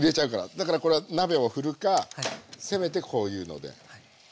だからこれは鍋を振るかせめてこういうので。